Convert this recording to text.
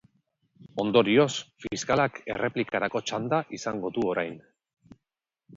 Ondorioz, fiskalak erreplikarako txanda izango du orain.